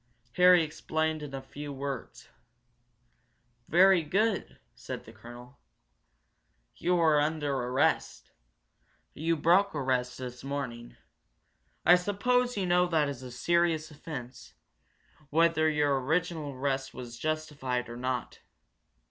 Harry explained in a few words. "Very good," said the colonel. "You are under arrest you broke arrest this morning. I suppose you know that is a serious offense, whether your original arrest was justified or not?"